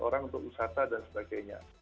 orang untuk wisata dan sebagainya